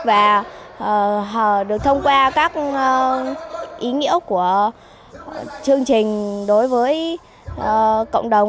và được thông qua các ý nghĩa của chương trình đối với cộng đồng